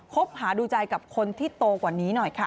คบหาดูใจกับคนที่โตกว่านี้หน่อยค่ะ